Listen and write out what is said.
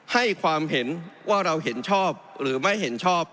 ให้ความเห็นว่าเราเห็นชอบหรือไม่เห็นชอบ